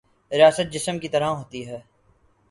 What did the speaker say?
ریاست جسم کی طرح ہوتی ہے۔